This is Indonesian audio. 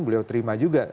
beliau terima juga